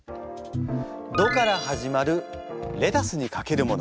「ど」から始まるレタスにかけるものは？